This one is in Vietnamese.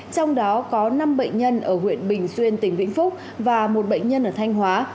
trong đó có năm bệnh nhân ở huyện bình xuyên tỉnh vĩnh phúc và một bệnh nhân ở thanh hóa